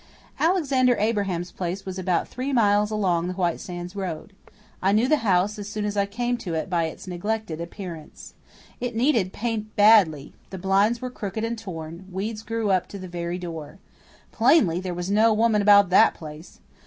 Alexander Abraham's place was about three miles along the White Sands road. I knew the house as soon as I came to it by its neglected appearance. It needed paint badly; the blinds were crooked and torn; weeds grew up to the very door. Plainly, there was no woman about THAT place.